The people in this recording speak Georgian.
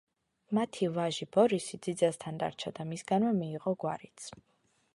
მათი ვაჟი ბორისი, ძიძასთან დარჩა და მისგანვე მიიღო გვარიც.